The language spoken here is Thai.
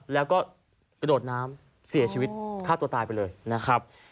แล้วก็กระโดดน้ำเสียชีวิตฆ่าตัวตายไปเลยนะครับ